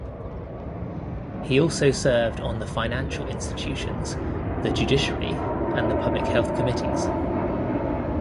He also served on the Financial Institutions, the Judiciary and the Public Health Committees.